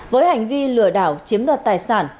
với hành vi lừa đảo chiếm đoạt tài sản